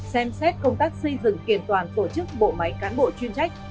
xem xét công tác xây dựng kiện toàn tổ chức bộ máy cán bộ chuyên trách